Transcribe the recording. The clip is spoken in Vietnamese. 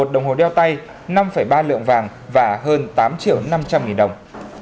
một đồng hồ đeo tay năm ba lượng vàng và hơn tám triệu năm trăm linh nghìn đồng